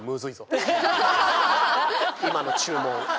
今の注文。